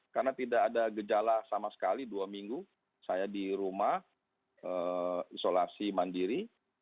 karena tidak ada gejala sama sekali dua minggu saya di rumah isolasi mandiri